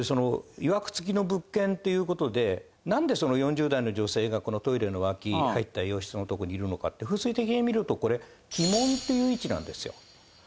っていうことでなんで４０代の女性がこのトイレの脇入った洋室の所にいるのかって風水的に見るとこれ鬼門っていう位置なんですよ。